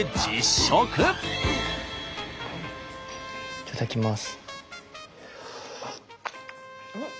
いただきます。